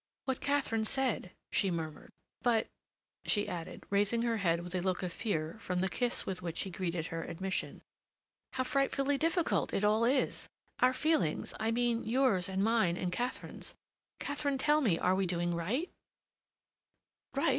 "What Katharine said," she murmured. "But," she added, raising her head with a look of fear from the kiss with which he greeted her admission, "how frightfully difficult it all is! Our feelings, I mean—yours and mine and Katharine's. Katharine, tell me, are we doing right?"